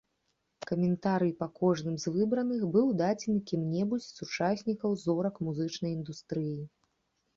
Каментарый па кожным з выбраных быў дадзены кім-небудзь з сучаснікаў зорак музычнай індустрыі.